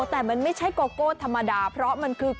แต่มันไม่ใช่โกโก้ธรรมดาเพราะมันคือ